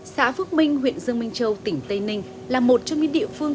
xã phước minh huyện dương minh châu tỉnh tây ninh là một trong những địa phương